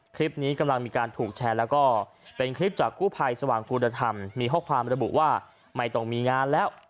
คลิปนี้กำลังมีการถูกแชร์แล้วก็เป็นคลิปจากกู้ภัยสว่างกูลธรรมมีข้อความระบุว่าไม่ต้องมีงานแล้ว